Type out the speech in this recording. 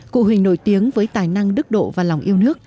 cụ huỳnh nổi tiếng với tài năng đức độ và lòng yêu nước